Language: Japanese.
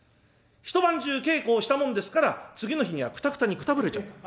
一晩中稽古をしたもんですから次の日にはくたくたにくたびれちゃった。